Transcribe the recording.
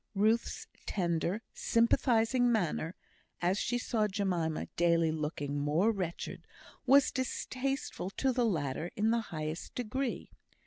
Ruth's tender, sympathising manner, as she saw Jemima daily looking more wretched, was distasteful to the latter in the highest degree.